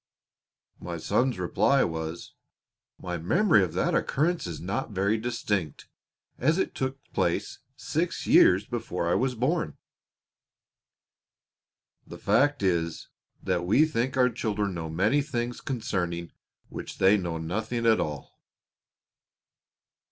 My son's reply was, "My memory of that occurrence is not very distinct, as it took place six years before I was born." The fact is that we think our children know many things concerning which they know nothing at all.